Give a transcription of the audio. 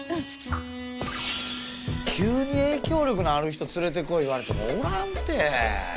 急に影響力のある人連れてこい言われてもおらんて。